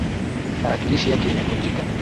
Tarakilishi yake imevunjika.